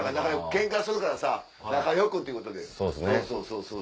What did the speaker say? ケンカするからさ仲良くっていうことで。